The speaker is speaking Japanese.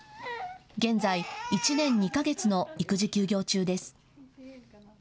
現在、１年２か月の育児休業中です。